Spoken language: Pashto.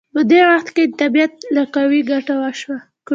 په دې وخت کې د طبیعت له قوې ګټه وشوه.